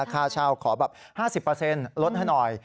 ค่าเช่าขอแบบ๕๐ลดให้หน่อย